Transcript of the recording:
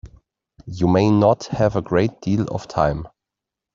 You may not have a great deal of time.